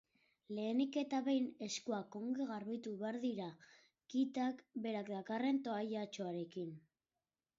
Lehenik eta behin, eskuak ongi garbitu behar dira kitak berak dakarren toallatxoarekin.